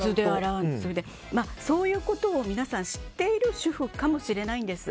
そういうことを皆さん知っている主婦かもしれないんです。